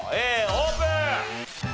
Ａオープン。